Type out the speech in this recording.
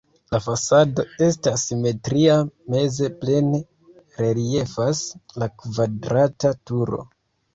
La fasado estas simetria, meze plene reliefas la kvadrata turo.